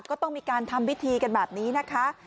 ก็ต้องมีการทำพิธีกันแบบนี้นะคะ